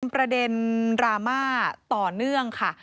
ประเด็นดราม่าต่อเนื่องค่ะ